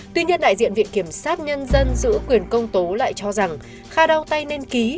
tuy nhiên đại diện viện kiểm sát nhân dân giữ quyền công tố lại cho rằng kha đau tay nên ký